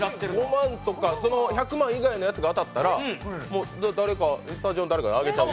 ５万とか１００万以外のやつが当たったらスタジオの誰かにあげちゃう？